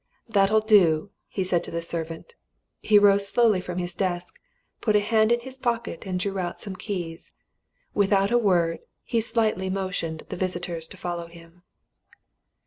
"That'll do!" he said to the servant. He rose slowly from his desk, put a hand in his pocket, and drew out some keys. Without a word, he slightly motioned the visitors to follow him.